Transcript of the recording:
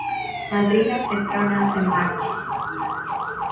Madrina Petrona Demarchi.